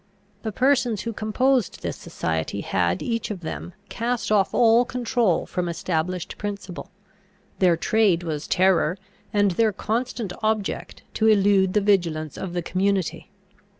The persons who composed this society had each of them cast off all control from established principle; their trade was terror, and their constant object to elude the vigilance of the community.